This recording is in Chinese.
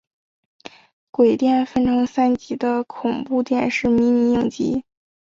鬼店是分成三集的恐怖电视迷你影集。